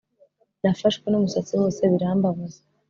nafashwe n'umusatsi wose birambabaza